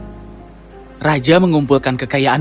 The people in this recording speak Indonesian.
raja mengumpulkan kekayaan dan menerima banyak kekayaan